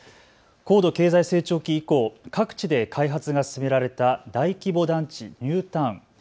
高度経済成長期以降、各地で開発が進められた大規模団地、ニュータウン。